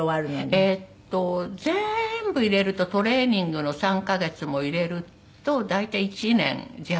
えっと全部入れるとトレーニングの３カ月も入れると大体１年弱。